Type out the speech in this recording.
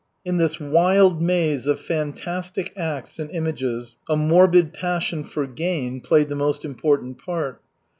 In this wild maze of fantastic acts and images a morbid passion for gain played the most important part.